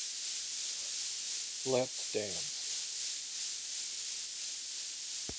Let's dance.